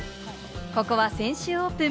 ここは先週オープン。